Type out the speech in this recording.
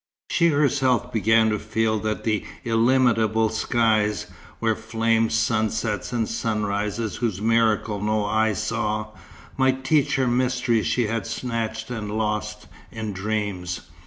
She herself began to feel that the illimitable skies, where flamed sunsets and sunrises whose miracles no eye saw, might teach her mysteries she had snatched at and lost, in dreams.